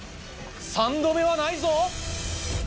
３度目はないぞ。